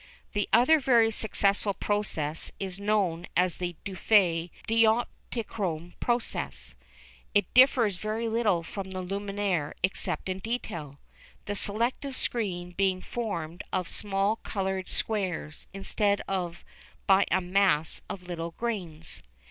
The other very successful process is known as the Dufay dioptichrome process. It differs very little from the Lumière except in detail, the selective screen being formed of small coloured squares instead of by a mass of little grains.